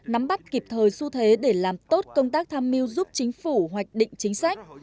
nắm bắt kịp thời xu thế để làm tốt công tác tham mưu giúp chính phủ hoạch định chính sách